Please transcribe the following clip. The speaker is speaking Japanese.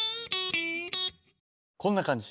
こんな感じ。